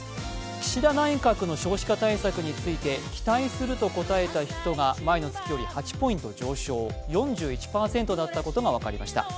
岸田内閣の少子化対策について期待すると答えた人が前の月より８％上昇、４１％だったことが分かりました。